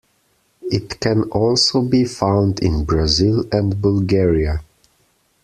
It can also be found in Brazil and Bulgaria.